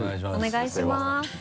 お願いします。